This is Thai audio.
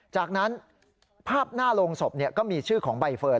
จากนั้นภาพหน้าโรงศพก็มีชื่อของใบเฟิร์น